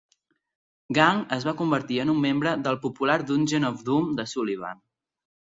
Gang es va convertir en membre del popular "Dungeon of Doom" de Sullivan.